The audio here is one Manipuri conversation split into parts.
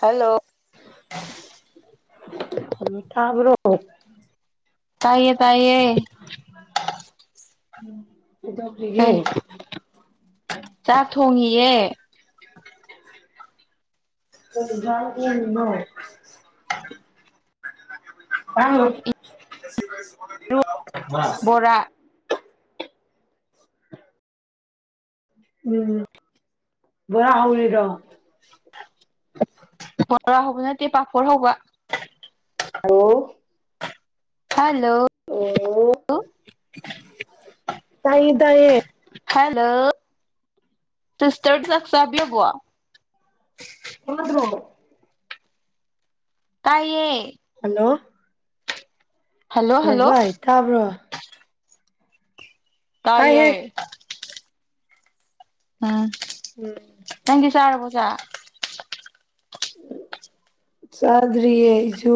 ꯍꯜꯂꯣ ꯊꯥꯕ꯭ꯔꯣ ꯇꯥꯏꯌꯦ ꯇꯥꯏꯌꯦ ꯀꯩ ꯀꯩꯗꯧꯔꯤꯒꯦ ꯆꯥꯛ ꯊꯣꯡꯉꯤꯌꯦ ꯀꯩ ꯏꯟꯖꯥꯡ ꯊ‌ꯣꯡꯉꯤꯅꯣ ꯂꯥꯡꯒꯅꯨ ꯃꯥ ꯕꯣꯔꯥ ꯎꯝ ꯕ‌ꯣꯔꯥ ꯍꯧꯔꯤꯔ‌ꯣ ꯕꯣꯔꯥ ꯍꯧꯕ ꯅꯠꯇꯦ ꯄꯥꯐꯣꯔ ꯍꯧꯕ ꯑ‌ꯣ ꯍꯜꯂꯣ ꯑꯣ ꯇꯥꯏꯌ‌ꯦ ꯇꯥꯏꯌꯦ ꯍꯂꯣ ꯁꯤꯁꯇꯔ ꯗꯤ ꯆꯛꯆꯥꯕꯤꯔꯕ‌ꯣ ꯇꯥꯗꯔ‌ꯣ ꯇꯥꯏꯌꯦ ꯍꯜꯂꯣ ꯍꯜꯂꯣ ꯍꯂ‌ꯣ ꯍꯜꯂꯣ ꯚꯥꯏ ꯇꯥꯕ꯭ꯔꯣ ꯇꯥꯏꯍꯦ ꯇꯥꯏꯌꯦ ꯎꯝ [unintelligible] ꯅꯪ ꯆꯥꯛ ꯆꯥꯔꯕꯣ ꯆꯥ ꯆꯥꯗ꯭ꯔꯤꯌꯦ ꯑꯩꯁꯨ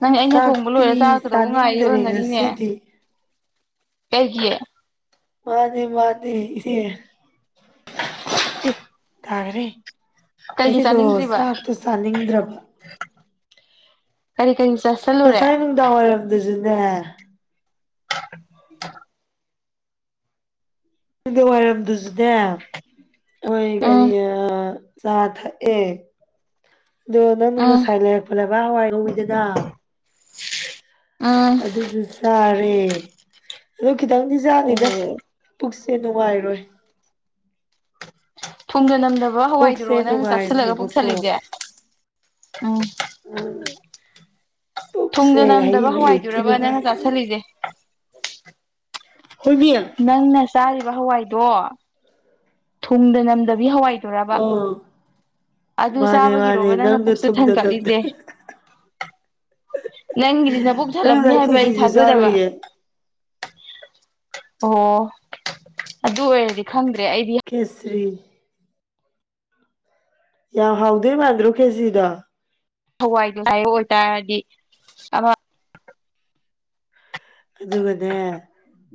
ꯅꯪ ꯑꯩꯅ ꯊꯣꯡꯕ ꯆꯥꯛꯇꯤ ꯂꯣꯏꯔ ꯆꯥꯔꯛꯀꯗꯧꯕ ꯉꯥꯏꯔꯤ ꯆꯥꯅꯤꯡꯗꯔꯦ ꯑ‌ꯣꯏꯔꯝꯒꯅꯤꯅꯦ ꯉꯁꯤꯗꯤ ꯀꯩꯒꯤ ꯃꯥꯅꯦ ꯃꯥꯅꯦ ꯏꯆ‌ꯦ ꯇꯥꯈ꯭ꯔꯦ ꯀꯩꯒꯤ ꯑꯁꯤꯗꯣ ꯆꯥꯅꯤꯡꯗ꯭ꯔꯤꯕ ꯆꯥꯛꯇꯣ ꯆꯥꯅꯤꯡꯗ꯭ꯔꯕ ꯀꯔꯤ ꯀꯔꯤ ꯆꯥꯁꯤꯜꯂꯨꯔꯦ ꯉꯁꯥꯏ ꯅꯨꯡꯗꯥꯡ ꯋꯥꯏꯔꯝ ꯗꯨꯖꯨꯅꯦ [unintelligible] ꯅꯨꯡꯗꯥꯡ ꯋꯥꯏꯔꯝ ꯗꯨꯖꯨꯅꯦ ꯍ‌ꯣꯏ ꯀꯔꯤ ꯎꯝ ꯑꯥ ꯆꯥ ꯊꯥꯛ ꯑꯦ ꯑꯗꯣ ꯅꯪꯅ ꯎꯝ ꯉꯁꯥꯏ ꯂꯩꯔꯛꯄ ꯂꯩꯕꯥꯛ ꯍꯋꯥꯏ ꯉ‌ꯧꯋꯤꯗꯅ ꯎꯝ ꯑꯗꯨꯖꯨ ꯆꯥꯔꯦ ꯑꯗ‌ꯣ ꯈꯤꯇꯪꯗꯤ ꯑꯣ ꯆꯥꯅꯤꯗ ꯄꯨꯛꯁꯦ ꯅꯨꯡꯉꯥꯏꯔꯣꯏ ꯊꯨꯡꯗ ꯅꯝꯗꯕ ꯍꯋꯥꯏꯗꯨꯔꯣ ꯄꯨꯛꯁꯦ ꯅꯪꯅ ꯆꯥꯁꯜꯂꯒ ꯄꯨꯛ ꯅꯨꯡꯉꯥꯏꯔꯣꯏꯕꯀꯣ ꯊꯜꯂꯤꯁꯦ ꯎꯝ ꯎꯝ ꯄꯨꯛꯁꯦ ꯊꯨꯡꯗ ꯅꯝꯗꯕ ꯍꯌꯦꯡ ꯑꯌꯨꯛꯇꯤ ꯍꯋꯥꯏꯗꯨꯔꯕ ꯅꯪ ꯆꯥ ꯅꯨꯡꯉꯥꯏꯔꯣꯏ ꯊꯜꯂꯤꯖ‌ꯦ ꯍ‌ꯣꯏꯃꯤ ꯅꯪꯅ ꯆꯥꯔꯤꯕ ꯍꯋꯥꯏꯗꯣ ꯊꯨꯡꯗ ꯅꯝꯗꯕꯤ ꯍꯋꯥꯏ ꯑ‌ꯣ ꯑꯗꯨ ꯆꯥꯕꯒꯤꯔꯣꯕ ꯅꯪꯅ ꯄꯨꯛꯁꯨ ꯊꯟ ꯊꯨꯡꯗꯅꯕꯗ ꯀꯠꯂꯤꯖ‌ꯦ ꯅꯪꯒꯤꯖꯤ ꯅꯕꯨꯛ ꯅꯪ ꯊꯜꯂꯝꯅꯤ ꯉꯁꯥꯏ ꯍꯥꯏꯕ ꯑꯩ ꯈꯦꯆꯤꯁꯨ ꯊꯥꯖꯗꯕ ꯆꯥꯔꯨꯏꯌꯦ ꯑꯣ ꯑꯗꯨ ꯑꯣꯏꯔꯗꯤ ꯈꯪꯗ꯭ꯔꯦ ꯑꯩꯗꯤ ꯀꯦꯁꯔꯤ ꯌꯥꯎ ꯍꯥꯎꯗ‌ꯣꯏ ꯃꯥꯗ꯭ꯔꯣ ꯀꯦꯁꯤꯗ‌ꯣ ꯍꯋꯥꯏꯗꯨ ꯍꯥꯏꯕ ꯑꯣꯏꯇꯥꯔꯗꯤ ꯑꯃ ꯑꯗꯨꯒꯅꯦ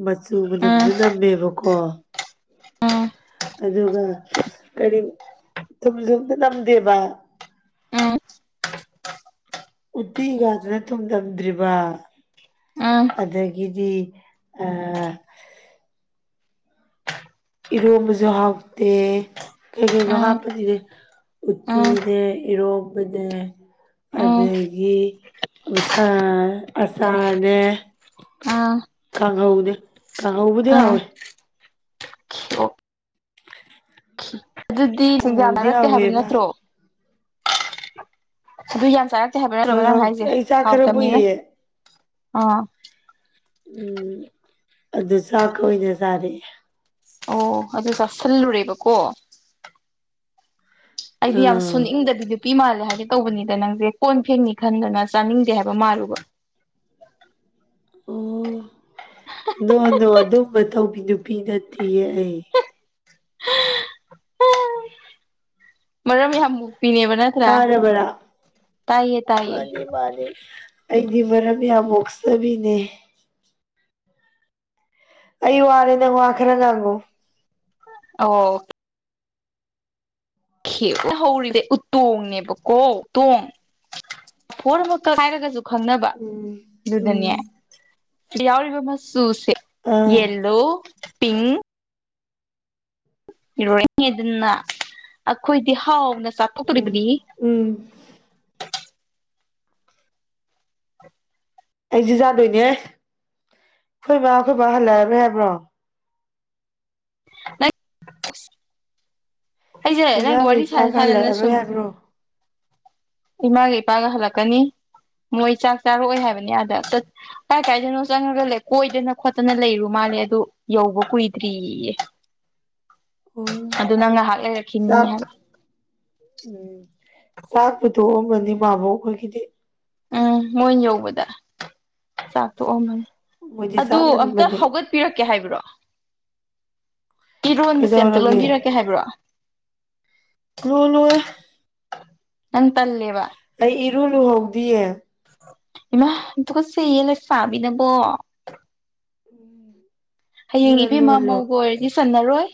ꯃꯆꯨ ꯎꯝ ꯃꯅꯝꯁꯨ ꯅꯝꯃꯦꯕꯀꯣ ꯎꯝ ꯑꯗꯨꯒ ꯀꯔꯤ ꯊꯨꯝ ꯁꯨ ꯑꯝꯇ ꯅꯝꯗꯦꯕ ꯎꯇꯤꯒꯥꯗꯨꯅ ꯊꯨꯝꯅꯝꯗ꯭ꯔꯤꯕ ꯎꯝ ꯎꯝ ꯑꯗꯒꯤꯗꯤ ꯑꯥ ꯏꯔꯣꯝꯕꯁꯨ ꯍꯥꯎꯇꯦ ꯀꯩ ꯀꯩꯅꯣ ꯎꯝ ꯍꯥꯞꯄꯅꯤꯅꯦ ꯎꯝ ꯎꯠꯇꯤꯅꯦ ꯏꯔꯣꯝꯕꯅꯦ ꯎꯝ ꯑꯗꯒꯤ ꯎꯁꯥꯔ ꯑꯆꯥꯔꯅꯦ ꯎꯝ ꯀꯥꯡꯍꯧꯅꯦ ꯀꯥꯡꯍꯧꯕꯨꯗꯤ ꯎꯝ ꯍꯥꯋꯦ ꯑꯣ ꯑꯗꯨꯗꯤ ꯀꯥꯡꯍꯧꯗꯤ ꯁꯨꯡꯌꯥꯅꯔꯛꯇꯦ ꯍꯥꯏꯕ ꯍꯥꯎꯋꯦꯕ ꯅꯠꯇ꯭ꯔꯣ ꯑꯗꯨ ꯌꯥꯝ ꯆꯥꯔꯛꯇꯦ ꯍꯥꯏꯕ ꯅꯇ꯭ꯔꯣꯕ ꯍꯣꯏ ꯅꯪ ꯍꯥꯎꯇꯦ ꯍꯥꯏꯁꯦ ꯑꯩ ꯆꯥꯛ ꯈꯔ ꯍꯥꯎꯇꯝꯅꯤꯅ ꯄꯨꯏꯌꯦ ꯑꯥ ꯎꯝ ꯑꯗꯨ ꯆꯥꯛꯀ ꯑꯣꯏꯅ ꯆꯥꯔꯑꯦ ꯑꯣ ꯑꯗꯨ ꯆꯥꯁꯤꯜꯂꯨꯔꯦꯕꯀꯣ ꯑꯩꯗꯤ ꯌꯥꯝ ꯑꯥ ꯁꯨꯅꯤꯡꯗꯕꯣ ꯅꯨꯄꯤ ꯃꯥꯜꯂꯦ ꯍꯥꯏꯒꯦ ꯇꯧꯕꯅꯤꯗ ꯅꯪꯁꯦ ꯀꯣꯟ ꯐꯦꯡꯅꯤ ꯈꯟꯗꯅ ꯆꯥꯅꯤꯡꯗꯦ ꯍꯥꯏꯕ ꯃꯥꯜꯂꯨꯕ ꯑꯣ ꯅꯣ ꯅꯣ ꯑꯗꯨꯝꯕ ꯇꯧꯕꯤ ꯅꯨꯄꯤ ꯅꯠꯇꯦꯌꯦ ꯑꯩ [unintelligible] ꯃꯔꯝ ꯌꯥꯝ ꯃꯨꯛꯄꯤꯅꯦꯕ ꯅꯪ ꯇꯔꯕꯔ ꯇꯥꯏꯌꯦ ꯃꯥꯅꯤ ꯃꯥꯅꯤ ꯑꯩꯗꯤ ꯃꯔꯝ ꯌꯥꯝ ꯃꯣꯛꯆꯕꯤꯅꯦ ꯑꯩ ꯋꯥꯔꯦꯗ ꯅꯪ ꯋꯥ ꯈꯔ ꯉꯥꯡꯉꯣ ꯑꯣ ꯍꯦ ꯍꯧꯔꯤꯗꯦ ꯎꯇꯣꯡꯅꯦꯕꯀꯣ ꯎꯇꯣꯡ ꯄꯣꯔꯠ [unintelligible] ꯍꯥꯏꯔꯒꯁꯨ ꯈꯪꯅꯕ ꯎꯝ ꯑꯗꯨꯗ ꯅꯦ ꯎꯝ ꯁꯤꯗ ꯌꯥꯎꯔꯤꯕ ꯃꯆꯨꯁꯦ ꯑꯥ ꯌꯦꯂꯣ ꯄꯤꯡꯛ ꯏꯔꯣꯏ ꯑꯗꯨꯅ ꯑꯩꯈꯣꯏꯗꯤ ꯍꯥꯎꯅ ꯎꯝ ꯆꯥꯊꯣꯛꯇꯣꯔꯤꯕꯅꯤ ꯎꯝ ꯑꯩꯁꯦ ꯌꯥꯥꯗꯣꯏꯅꯦ ꯑꯩꯈꯣꯏ ꯃꯥꯕꯥ ꯑꯩꯈꯣꯏ ꯃꯥꯕꯥ ꯍꯜꯂꯑꯦ ꯍꯥꯏꯕ꯭ꯔꯣ ꯅꯪ ꯑꯩꯖꯦ ꯅꯪꯒ ꯏꯃꯥꯒ ꯋꯥꯔꯤ ꯁꯥꯟꯅ ꯏꯄꯥꯒ ꯁꯥꯟꯅꯅ ꯍꯜꯂꯛꯑꯔꯣꯏ ꯁꯨꯝ ꯍꯥꯏꯕ꯭ꯔꯣ ꯏꯃꯥꯒ ꯏꯄꯥꯒ ꯍꯜꯂꯛꯀꯅꯤ ꯃꯣꯏ ꯆꯥꯛ ꯆꯥꯔꯛꯑꯣꯏ ꯍꯥꯏꯕꯅꯤ ꯑꯥꯗ ꯀꯥꯏ ꯀꯥꯏꯗꯅꯣ ꯆꯪꯉꯒ ꯂꯩ ꯀꯣꯏꯗꯅ ꯈꯣꯠꯇꯅ ꯂꯩꯔꯨ ꯃꯥꯜꯂꯦ ꯑꯗꯨ ꯌꯧꯕ ꯀꯨꯏꯗ꯭ꯔꯤꯌꯦ [unintelligible] ꯎꯝ ꯑꯗꯨꯅ ꯉꯥꯏꯍꯥꯛ ꯆꯥꯛ ꯂꯩꯔꯛꯈꯤꯅꯤ ꯍꯥꯏꯕ ꯎꯝ ꯆꯥꯛꯄꯨ ꯇꯣꯛꯑꯝꯃꯅꯤ ꯃꯥꯕꯣꯛ ꯈꯣꯏꯒꯤꯗꯤ ꯎꯝ ꯃꯣꯏ ꯌꯧꯕꯗ ꯆꯥꯛꯊꯣꯛꯑꯝꯃꯅꯤ ꯃꯣꯏꯗꯤ ꯑꯗꯨ ꯆꯥꯛ ꯑꯝꯇ ꯉꯟꯕꯅꯦ ꯍꯧꯒꯠ ꯄꯤꯔꯛꯀꯦ ꯍꯥꯏꯕ꯭ꯔꯣ ꯏꯔꯣꯟꯕꯁꯦ ꯑꯝꯇ ꯀꯩꯗꯧꯔꯒꯦ ꯂꯣꯟꯕꯤꯔꯛꯀꯦ ꯍꯥꯏꯕ꯭ꯔꯣ ꯂꯣꯂꯣꯢ ꯅꯦ ꯇꯜꯂꯦꯕ ꯑꯩ ꯏꯔꯨ ꯂꯨꯍꯧꯗꯤꯌꯦ ꯏꯃꯥ ꯌꯥꯝ ꯇꯨꯀꯠꯆꯩꯌꯦ ꯂꯩꯁꯥꯕꯤꯅꯕꯣ ꯍꯌꯦꯡ ꯑꯗꯨꯅ ꯏꯕꯦꯝꯃ ꯂꯣꯜꯂꯣ ꯃꯧꯒ ꯑꯣꯏꯔꯗꯤ ꯆꯟꯅꯔꯣꯏ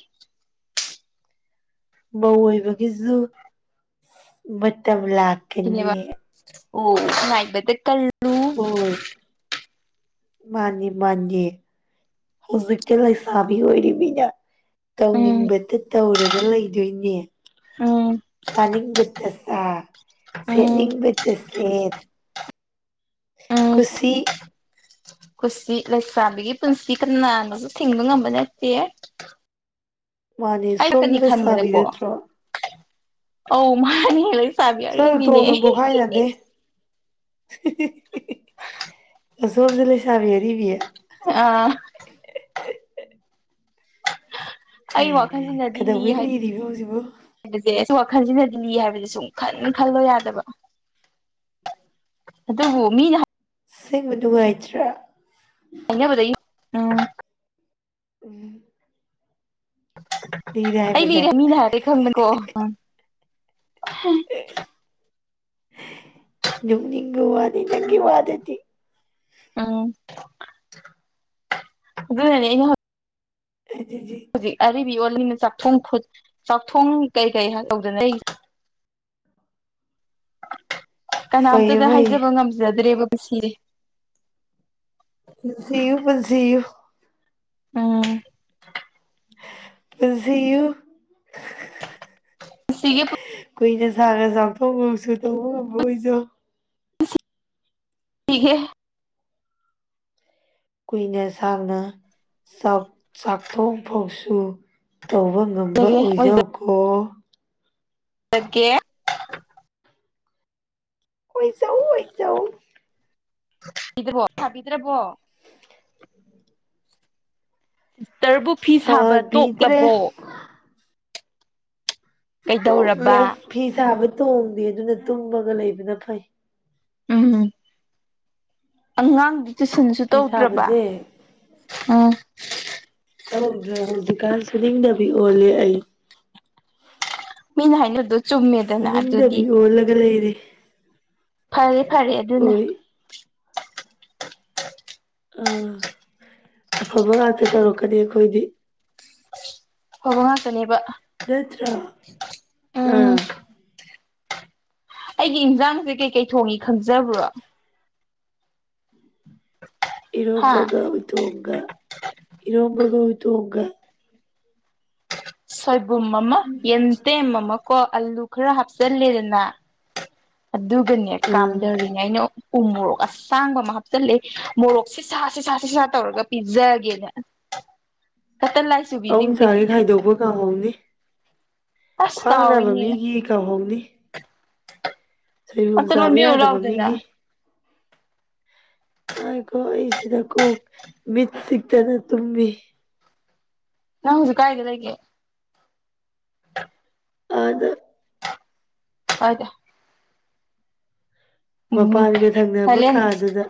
ꯃꯧ ꯑꯣꯏꯕꯒꯤꯁꯨ ꯃꯇꯝ ꯁꯤꯅꯦꯕ ꯂꯥꯛꯀꯅꯤꯌꯦ ꯑꯣ ꯉꯥꯏꯕꯇ ꯀꯜ ꯍꯣꯏ ꯃꯥꯅꯦ ꯃꯥꯥꯟꯅꯦ ꯍꯧꯖꯤꯛꯇꯤ ꯂꯩꯁꯥꯕꯤ ꯑꯣꯏꯔꯤꯃꯤꯅ ꯎꯝ ꯇꯧꯅꯤꯡꯕꯇ ꯇꯧꯔꯒ ꯂꯩꯗꯣꯏꯅꯦ ꯎꯝ ꯆꯥꯅꯤꯡꯕꯇ ꯆꯥ ꯎꯝ ꯁꯦꯠꯅꯤꯡꯕꯇ ꯁꯦꯠ ꯀꯨꯁꯤ ꯀꯨꯁꯤ ꯂꯩꯁꯥꯕꯤꯒꯤ ꯄꯨꯟꯁꯤ ꯀꯅꯥꯅꯁꯨ ꯊꯤꯡꯕ ꯉꯝꯕ ꯅꯠꯇꯦ ꯃꯥꯅꯦ ꯁꯣꯝꯁꯨ [unintelligible] ꯂꯩꯁꯥꯕꯤ ꯈꯟꯕꯅꯀꯣ ꯅꯠꯇ꯭ꯔꯣ ꯑꯧ ꯃꯥꯅꯤ ꯂꯩ ꯐꯥꯕꯤ ꯆꯠꯂꯨ ꯑꯔꯤꯕꯤꯅꯦ ꯇꯣꯡꯅ ꯍꯤ ꯍꯤ ꯍꯤ ꯄꯣꯛꯈꯥꯏꯅꯗꯦ ꯑꯁꯣꯝꯁꯦ ꯂꯩꯁꯥꯕꯤ ꯑꯔꯤꯕꯤ ꯑꯥ ꯍ ꯑꯩ ꯋꯥꯈꯜꯁꯤꯅꯗꯤ ꯂꯤ ꯀꯩꯗꯧꯕꯩ ꯂꯤꯔꯤꯕꯣ ꯍꯧꯖꯤꯛꯕꯣ ꯍꯥꯏꯕꯁꯦ ꯋꯥꯈꯜꯁꯤꯅꯗꯤ ꯂꯤ ꯍꯥꯏꯕꯁꯦ ꯁꯨꯡꯈꯟ ꯈꯟꯂꯣ ꯌꯥꯗꯕ ꯑꯗꯨꯕꯨ ꯃꯤꯅ ꯍꯥ ꯑꯁꯦꯡꯕ ꯅꯨꯡꯉꯥꯏꯇ꯭ꯔꯥ ꯑꯩꯅꯕꯗꯩ ꯎꯝ ꯎꯝ ꯑꯩ ꯍꯥꯏꯕꯁꯦ ꯂꯤꯔꯦ ꯃꯤꯅ ꯍꯥꯏꯕꯒꯤ ꯈꯪꯕꯅꯤꯀꯣ ꯅꯣꯛꯅꯤꯡꯕ ꯋꯥꯅꯦ ꯅꯪꯒꯤ ꯋꯥꯗꯨꯗꯤ ꯎꯝ ꯑꯗꯨꯅꯅꯦ [unintelligible] ꯍꯧꯖꯤꯛ ꯑꯔꯤꯕ ꯑꯣꯜꯕꯅꯤꯅ ꯆꯥꯛꯊꯣꯡ ꯈꯨꯠ ꯆꯥꯛꯊꯣꯡ ꯀꯩ ꯀꯩ ꯍꯥꯏ ꯇꯧꯗꯅ ꯑꯩꯔꯤꯁꯦ ꯐꯩꯌꯦ ꯀꯅꯥꯝꯇꯗ ꯐꯩꯌꯦ ꯍꯥꯏꯖꯕ ꯉꯝꯖꯗ꯭ꯔꯦꯕ ꯄꯨꯟꯁꯤ ꯄꯨꯟꯁꯤꯎ ꯄꯨꯟꯁꯤꯎ ꯎꯝ ꯄꯨꯟꯁꯤꯌꯨ ꯁꯤꯒꯦ ꯀꯨꯏꯅ ꯁꯥꯅ ꯆꯥꯊꯣꯛ ꯐꯧꯁꯨ ꯇꯧꯕ ꯉꯝꯕ ꯑꯣꯏꯖꯧ ꯏꯍꯦ ꯀꯨꯏꯅ ꯁꯥꯡꯅ ꯆꯥꯛ ꯆꯥꯛꯊꯣꯡ ꯐꯥꯎꯁꯨ ꯇꯧꯕ ꯉꯝꯕ ꯑꯣꯏꯖꯔꯒꯦ ꯑꯣꯏꯖꯧꯀꯣ [unintelligible] ꯑꯣꯏꯖꯧ ꯑꯣꯏꯖꯧ [unintelligible] ꯁꯤꯁꯇꯔꯕꯨ ꯐꯤ ꯁꯥꯕ ꯁꯥꯕꯤꯗ꯭ꯔꯦ ꯇꯣꯛꯂꯕꯣ ꯇꯣꯛꯂꯦ ꯀꯩꯗꯧꯔꯕ ꯐꯤ ꯁꯥꯕ ꯇꯣꯡꯗꯦ ꯑꯗꯨꯅ ꯇꯨꯝꯃꯒ ꯂꯩꯕꯅ ꯐꯩ ꯎꯝ ꯑꯉꯥꯡ ꯇꯨꯏꯁꯟꯁꯨ ꯐꯤ ꯇꯧꯗ꯭ꯔꯕ ꯁꯥꯕꯁꯦ ꯎꯝ ꯇꯧꯗ꯭ꯔꯦ ꯍꯧꯖꯤꯛꯀꯥꯟ ꯁꯨꯅꯤꯡꯗꯕꯤ ꯑꯣꯜꯂꯦ ꯑꯩ ꯃꯤꯅ ꯍꯥꯏꯅꯕꯗꯣ ꯆꯨꯝꯃꯦꯗꯅ ꯑꯗꯨꯗꯤ ꯀꯣꯜꯂꯒ ꯂꯩꯔꯦ ꯐꯔꯦ ꯐꯔꯦ ꯑꯗꯨꯅ ꯍꯣꯏ ꯑꯥ ꯑꯐꯕ ꯉꯥꯛꯇ ꯇꯧꯔꯛꯀꯅꯤ ꯑꯩꯈꯣꯏꯗꯤ ꯐꯕ ꯉꯥꯛꯇꯅꯦꯕ ꯅꯠꯇꯔ ꯎꯝ ꯑꯥ ꯑꯩꯒꯤ ꯏꯟꯖꯥꯡꯁꯦ ꯀꯩꯀꯩ ꯊꯣꯡꯏ ꯈꯪꯖꯕ꯭ꯔꯣ ꯍꯥ ꯏꯔꯣꯝꯕꯒ ꯎꯇꯣꯡꯒ ꯏꯔꯣꯝꯕꯒ ꯎꯇꯣꯡꯒ ꯁꯣꯏꯕꯨꯝ ꯑꯃ ꯌꯦꯟꯇꯦꯝ ꯑꯃ ꯀꯣ ꯑꯂꯨ ꯈꯔ ꯍꯥꯞꯆꯜꯂꯦꯗꯅ ꯑꯗꯨꯒꯅꯦ ꯎꯝ ꯀꯥꯝꯗꯔꯤ ꯑꯩꯅ ꯎ ꯃꯣꯔꯣꯛ ꯑꯁꯥꯡꯕ ꯑꯃ ꯍꯥꯞꯆꯤꯜꯂꯦ ꯃꯣꯔꯣꯛ ꯁꯤ ꯁꯥ ꯁꯤ ꯁꯥ ꯁꯤ ꯁꯥꯥ ꯇꯧꯔꯒ ꯄꯤꯖꯒꯦꯅ ꯀꯠꯇ ꯂꯥꯏ ꯑꯎꯝ ꯆꯨꯕꯤꯁꯤꯡꯁꯦ ꯆꯥꯒꯤ ꯈꯥꯏꯗꯣꯛꯄ ꯀꯥꯎꯍꯧꯅꯤ ꯑꯁ ꯈ꯭ꯋꯥꯡ ꯅꯥꯕ ꯀꯥꯎꯏꯅꯦ ꯃꯤꯒꯤ ꯀꯥꯎꯍꯧꯅꯤ ꯁꯣꯏꯕꯣꯨꯝ ꯑꯝꯇ ꯆꯥꯕ ꯂꯣꯟꯕꯤꯌꯨ ꯌꯥꯗꯕ ꯃꯤꯒꯤ ꯂꯥꯎꯗꯅ ꯇꯥꯏꯀꯣ ꯑꯩꯁꯤꯗ ꯀꯣꯛ ꯃꯤꯠ ꯆꯤꯛꯇꯅ ꯇꯨꯝꯃꯤ ꯅꯪ ꯍꯧꯖꯥꯛ ꯀꯥꯏꯗ ꯂꯩꯗꯒꯦ ꯑꯗ ꯀꯥꯏꯗ ꯎꯝ ꯃꯄꯥꯟꯒ ꯊꯪꯅꯕ ꯊꯥꯏꯂꯦꯟ ꯀꯥꯗꯨꯗ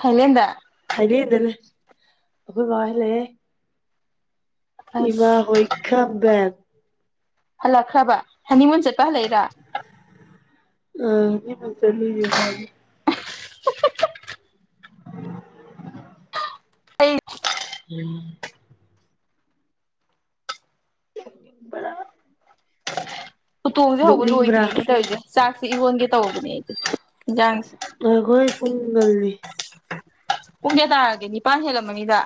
ꯊꯥꯏꯂꯦꯟꯗ ꯊꯥꯏꯂꯦꯟꯗ ꯂꯩ ꯑꯈꯣꯏ ꯕꯥꯍꯣꯏ ꯍꯜꯂꯛꯑꯦ ꯏꯃꯥ ꯑꯁ ꯍꯣꯏꯈꯝꯕꯦꯟ ꯍꯜꯂꯛꯈ꯭ꯔꯕ ꯍꯅꯤꯃꯨꯟ ꯆꯠꯄ ꯍꯜꯂꯛꯏꯔ‌ꯣ ꯎꯝ ꯍꯅꯤꯃꯨꯟ ꯆꯠꯂꯨꯏꯅ‌ꯦ ꯃꯥꯗꯤ [unintelligible] [unintelligible] ꯎꯇꯣꯡꯁꯦ ꯍꯧꯕ ꯅꯣꯛꯅꯤꯡꯕ꯭ꯔꯥ ꯂꯣꯏꯗ꯭ꯔꯤꯅꯦ ꯇꯧꯏꯖ‌ꯦ ꯆꯥꯛꯁꯦ ꯏꯔꯣꯟꯒꯦ ꯇꯧꯕꯅꯦ ꯑꯩꯗꯤ ꯏꯟꯖꯥꯡꯁ ꯉꯥꯏꯈꯣꯍ‌ꯦ ꯄꯨꯡ ꯉꯜꯂꯤ ꯄꯨꯡ ꯀꯌꯥ ꯇꯥꯔꯒꯦ ꯅꯤꯄꯥꯟ ꯍꯦꯜꯂꯝꯃꯅꯤꯗ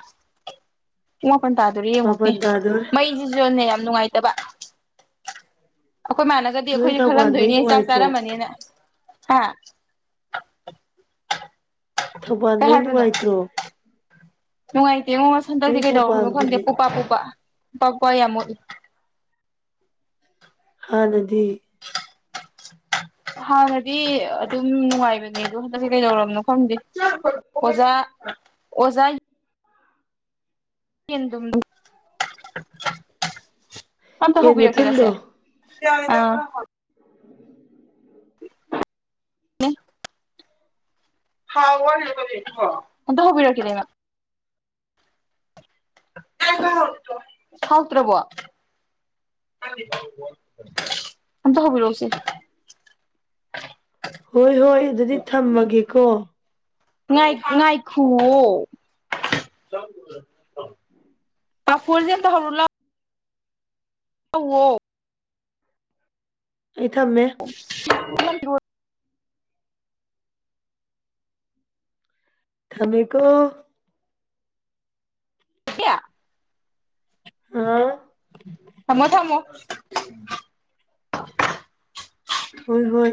ꯄꯨꯡ ꯃꯥꯄꯟ ꯇꯥꯗ‌ꯣꯔ‌ꯦ ꯌꯦꯡꯉꯨꯅꯦ ꯃꯥꯄꯜ ꯇꯥꯗꯣꯔꯦ ꯃꯩꯁꯤꯁꯨꯅ‌ꯦ ꯌꯥꯝ ꯅꯨꯡꯉꯥꯏ ꯇꯕ ꯑꯩꯈꯣꯏ ꯃꯥꯥꯟꯅꯒꯗꯤ ꯅꯣꯏ ꯑꯩꯈꯣꯏꯁꯦ ꯊꯧꯕꯥꯜꯃꯩ ꯈꯜꯂꯝꯗꯣꯏꯅꯦ ꯆꯥꯛ ꯅꯨꯡꯉꯥꯏꯇ꯭ꯔꯣ ꯆꯥꯔꯝꯃꯅꯤꯅ ꯍꯥꯥ [unintelligible] ꯊꯧꯕꯥꯟ ꯃꯩ ꯅꯨꯡꯉꯥꯏꯇ꯭ꯔꯣ ꯅꯨꯡꯉꯥꯏꯇꯦꯉꯣ ꯑꯁ ꯅꯣꯏ ꯍꯟꯇꯛꯇꯤ ꯀꯩꯗꯧꯔꯅꯣ ꯈꯪꯗꯦ ꯊꯧꯕꯥꯜꯒꯤꯅꯦ ꯄꯨꯄꯥ ꯄꯨꯄꯥ ꯄꯨꯄꯥ ꯄꯨꯄꯥ ꯌꯥꯝ ꯃꯨꯠꯂꯤ ꯍꯥꯟꯅꯗꯤ [unintelligible] ꯍꯥꯟꯅꯗꯤ ꯑꯗꯨꯝ ꯅꯨꯡꯉꯥꯏꯕꯅꯦ ꯑꯗꯣ ꯍꯟꯗꯛꯁꯦ ꯀꯩꯗꯧꯔꯕꯅꯣ ꯈꯪꯗꯦ ꯑꯣꯖꯥ ꯑꯣꯖꯥ [unintelligible] ꯑꯝꯇ ꯌꯦꯟ ꯃꯊꯨꯟꯗꯣ ꯍꯧꯕꯤꯔꯛꯀꯦꯔꯁꯦ ꯑ [unintelligible] [unintelligible] [unintelligible] ꯑꯝꯇ ꯍꯧꯕꯤꯔꯛꯀ‌ꯦꯔꯥ ꯏꯃ [unintelligible] ꯍꯥꯎꯇ꯭ꯔꯕꯣ [unintelligible] ꯍꯣꯏ ꯍꯣꯏ ꯑꯗꯨꯗꯤ ꯊꯝꯃꯒꯦꯀꯣ ꯉꯥꯏ ꯉꯥꯏꯈꯨꯋ‌ꯣ ꯄꯥꯐ‌ꯣꯔꯖ‌ꯦ ꯑꯝꯇ ꯍꯧꯔꯨ ꯂꯥꯎ ꯇꯧꯋ‌ꯣ ꯑꯩ ꯊꯝꯃꯦ [unintelligible] ꯊꯝꯃꯦꯀꯣ [unintelligible] ꯑꯥ ꯊꯝꯃꯣ ꯊꯝꯃꯣ ꯍꯣꯏ ꯍꯣꯏ